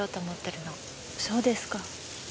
そうですか。